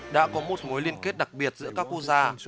đã có một mối liên kết đặc biệt giữa các quốc gia